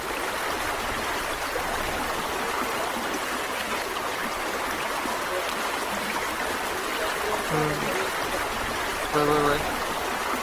- ทางเลือกอื่นในการเดินทาง